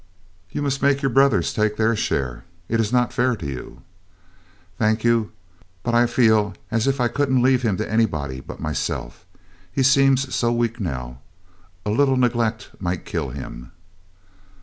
'You must make your brothers take their share; it's not fair to you.' 'Thank you; but I feel as if I couldn't leave him to anybody but myself. He seems so weak now; a little neglect might kill him.'